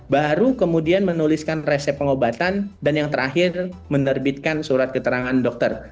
baru kemudian menuliskan resep pengobatan dan yang terakhir menerbitkan surat keterangan dokter